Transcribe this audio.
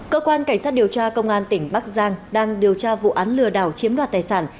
cơ quan cảnh sát điều tra công an tỉnh bắc giang đang điều tra vụ án lừa đảo chiếm đoạt tài sản